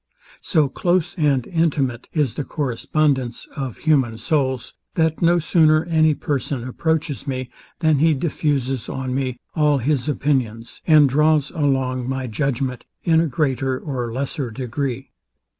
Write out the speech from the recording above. So close and intimate is the correspondence of human souls, that no sooner any person approaches me, than he diffuses on me all his opinions, and draws along my judgment in a greater or lesser degree.